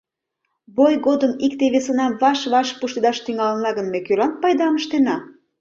Бой годым икте-весынам ваш-ваш пуштедаш тӱҥалына гын, ме кӧлан пайдам ыштена?